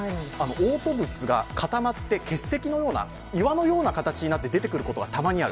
おう吐物が固まって結石のような、岩のような形になって出てくることがときどきある。